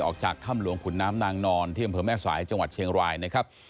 ออกจากถ้ำหลวงขุนน้ำนางนอนที่อำเภอแม่สายจังหวัดเชียงรายนะครับ